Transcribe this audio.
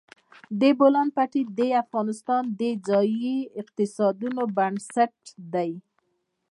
د بولان پټي د افغانستان د ځایي اقتصادونو بنسټ دی.